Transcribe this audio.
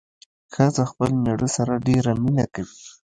ښځه خپل مېړه سره ډېره مينه کوي